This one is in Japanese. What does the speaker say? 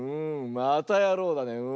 またやろうだねうん。